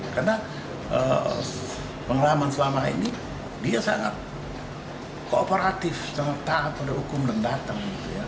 karena pengalaman selama ini dia sangat kooperatif sangat taat pada hukum dan datang